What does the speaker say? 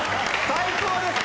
最高です！